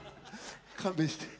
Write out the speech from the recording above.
勘弁して。